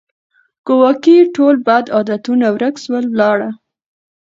ګواکي ټول بد عادتونه ورک سول ولاړه